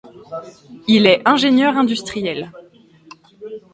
Il est ingénieur industriel.